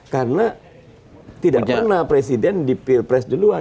karena tidak pernah presiden di pilpres duluan